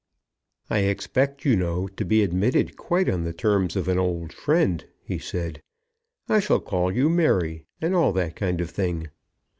"I expect, you know, to be admitted quite on the terms of an old friend," he said. "I shall call you Mary, and all that kind of thing."